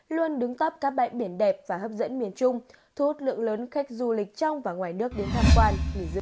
luôn đứng tắp các bãi biển đẹp và hấp dẫn miền trung thu hút lượng lớn khách du lịch trong và ngoài nước đến tham quan